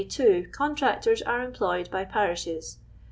too, contractors j:rc employed by parishes.